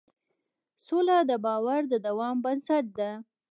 سوله د باور د دوام بنسټ ده.